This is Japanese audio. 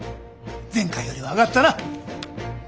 前回よりは上がったな。